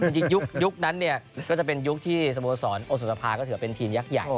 จริงยุคนั้นเนี่ยก็จะเป็นยุคที่สโมสรโอสุตภาก็ถือเป็นทีมยักษ์ใหญ่